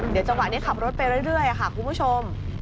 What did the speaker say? เดี๋ยวจังหวะนี้ขับรถไปเรื่อยค่ะคุณผู้ชม